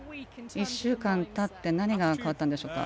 １週間たって何が変わったんでしょうか。